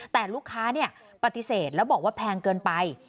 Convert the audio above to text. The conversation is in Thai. แต่ลูกค้าปฏิเสธแล้วบอกว่าแพงเกินไป